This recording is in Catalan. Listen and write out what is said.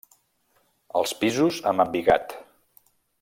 Els pisos amb embigat.